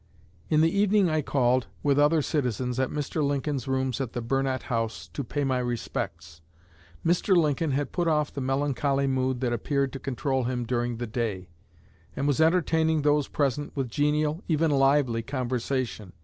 In the evening I called, with other citizens, at Mr. Lincoln's rooms at the Burnet House to pay my respects. Mr. Lincoln had put off the melancholy mood that appeared to control him during the day, and was entertaining those present with genial, even lively, conversation.